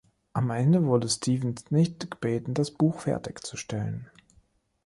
Am Ende wurde Stephens nicht gebeten, das Buch fertigzustellen.